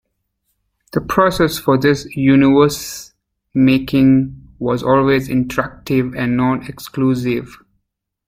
The process for this universe-making was always interactive and non-exclusive.